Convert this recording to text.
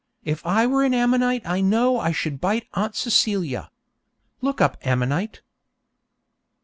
_ (If I were an ammonite I know I should bite Aunt Celia. Look up ammonite.)